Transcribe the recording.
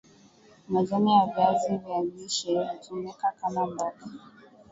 majani ya viazi vya lishe hutumika kama mboga